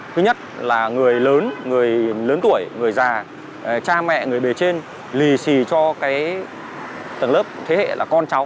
thứ nhất là người lớn người lớn tuổi người già cha mẹ người bề trên lì xì cho tầng lớp thế hệ là con cháu